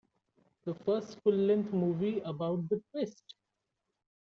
The first full-length movie about the Twist!